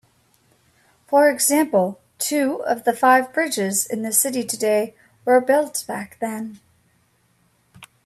For example, two of the five bridges in the city today were built back then.